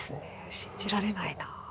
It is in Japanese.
信じられないな。